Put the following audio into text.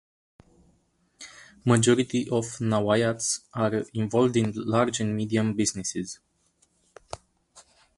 Majority of Nawayaths are involved in large and Medium businesses.